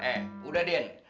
eh udah din